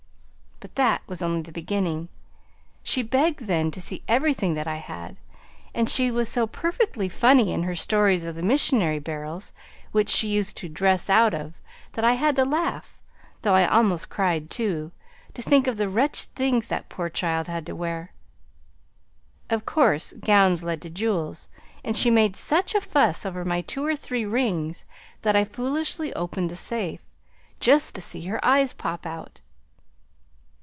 "But that was only the beginning. She begged then to see everything that I had, and she was so perfectly funny in her stories of the missionary barrels, which she used to 'dress out of,' that I had to laugh though I almost cried, too, to think of the wretched things that poor child had to wear. Of course gowns led to jewels, and she made such a fuss over my two or three rings that I foolishly opened the safe, just to see her eyes pop out.